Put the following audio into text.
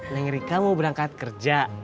neng rika mau berangkat kerja